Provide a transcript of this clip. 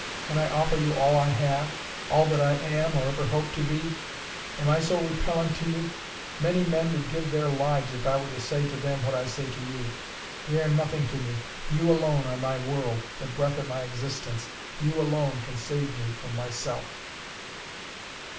When I offer you all I have? All that I am, or ever hope to be? Am I so repellent to you? Many men would give their lives if I were to say to them what I say to you. They are nothing to me you alone are my world, the breath of my existence. You, alone, can save me from myself!"